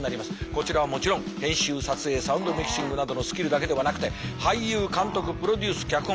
こちらはもちろん編集撮影サウンドミキシングなどのスキルだけではなくて俳優監督プロデュース脚本